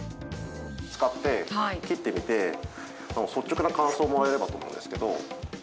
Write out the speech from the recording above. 使って切ってみて率直な感想をもらえればと思うんですけど。